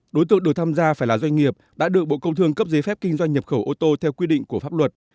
đối tượng được tham gia phải là doanh nghiệp đã được bộ công thương cấp giấy phép kinh doanh nhập khẩu ô tô theo quy định của pháp luật